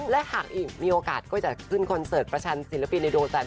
และหากอีกมีโอกาสก็จะขึ้นคอนเสิร์ตประชันศิลปินในดวงจันท